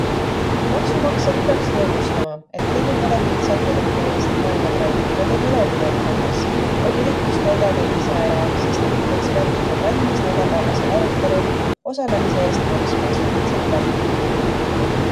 Maksumaksjat peaks rõõmustama, et tegu pole lihtsalt eduka Eesti maineprojektiga tehnoloogiavaldkonnas, vaid üritus toidab end ise ära, sest tippeksperdid on valmis neljapäevasel arutelul osalemise eest maksma soliidset tasu.